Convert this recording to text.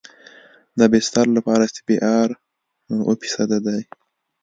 د بستر لپاره سی بي ار اوه فیصده دی